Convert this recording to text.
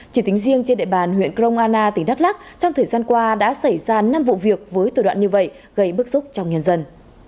chỉ tính riêng trên địa bàn huyện krong anna tỉnh đắk lắc trong thời gian qua đã xảy ra năm vụ việc với tổ đoạn như vậy gây bức xúc trong nhân dân